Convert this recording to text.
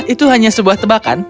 itu hanya sebuah tebakan